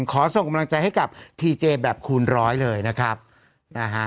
ขอส่งกำลังใจให้กับทีเจแบบคูณร้อยเลยนะครับนะฮะ